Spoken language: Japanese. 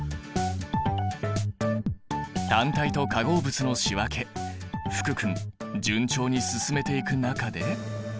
単体と化合物の仕分け福君順調に進めていく中で。